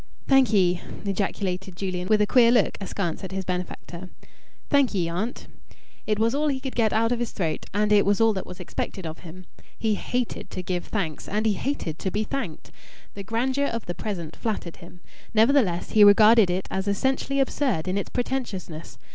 "Thank ye!" ejaculated Julian, with a queer look askance at his benefactor. "Thank ye, aunt!" It was all he could get out of his throat, and it was all that was expected of him. He hated to give thanks and he hated to be thanked. The grandeur of the present flattered him. Nevertheless he regarded it as essentially absurd in its pretentiousness.